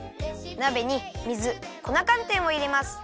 なべに水粉かんてんをいれます。